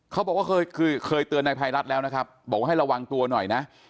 เขาบอกว่าเคยเคยเตือนนายภัยรัฐแล้วนะครับบอกว่าให้ระวังตัวหน่อยนะ